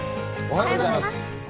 おはようございます。